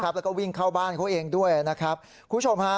แล้วก็วิ่งเข้าบ้านเขาเองด้วยนะครับคุณผู้ชมฮะ